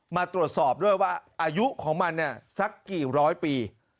มาตรวจสอบด้วยว่าอายุของมันเนี่ยสักกี่ร้อยปี